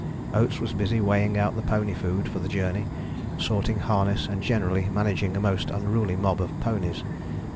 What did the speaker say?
Oates was busy weighing out the pony food for the journey, sorting harness, and generally managing a most unruly mob of ponies.